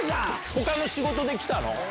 他の仕事で来たの？